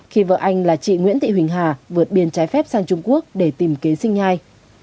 khi vợ anh là chị nguyễn thị huỳnh hà vượt biên trái phép sang trung quốc để tìm kế sinh nhai